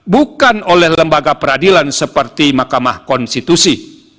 bukan oleh lembaga peradilan seperti mahkamah konstitusi